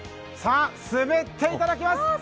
さあ滑っていただきます。